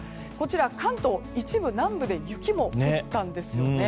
関東、一部南部で雪も降ったんですよね。